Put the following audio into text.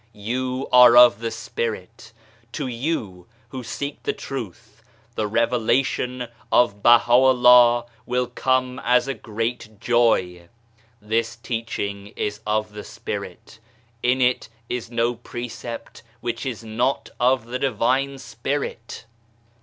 You are of the Spirit ! To you who seek the Truth, the Revelation of BahaVllah will come as a great joy ! This teaching is of the spirit, in it is no precept which is not of the Divine Spirit.